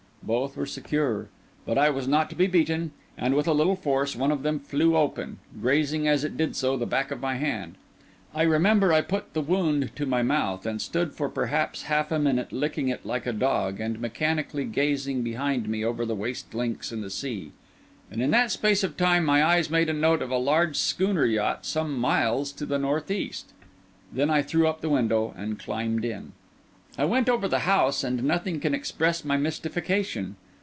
Both were secure; but I was not to be beaten; and, with a little force, one of them flew open, grazing, as it did so, the back of my hand. I remember, I put the wound to my mouth, and stood for perhaps half a minute licking it like a dog, and mechanically gazing behind me over the waste links and the sea; and, in that space of time, my eye made note of a large schooner yacht some miles to the north east. Then I threw up the window and climbed in. I went over the house, and nothing can express my mystification.